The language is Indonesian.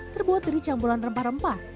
terbuat dari cambulan rempah rempah